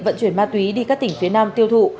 vận chuyển ma túy đi các tỉnh phía nam tiêu thụ